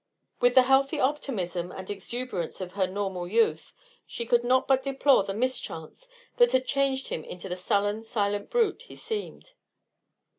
With the healthy optimism and exuberance of her normal youth she could not but deplore the mischance that had changed him into the sullen, silent brute he seemed.